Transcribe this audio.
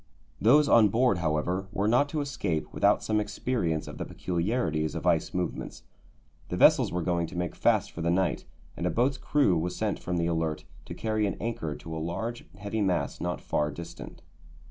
Those on board, however, were not to escape without some experience of the peculiarities of ice movements. The vessels were going to make fast for the night, and a boat's crew was sent from the Alert to carry an anchor to a large, heavy mass not far distant.